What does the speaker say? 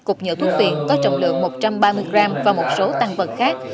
hai cục nhựa thuốc viện có trọng lượng một trăm ba mươi gram và một số tăng vật khác